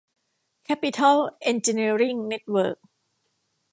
แคปปิทอล เอ็นจิเนียริ่ง เน็ตเวิร์ค